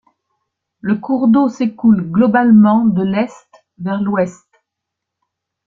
Le cours d'eau s'écoule globalement de l'est vers l'ouest.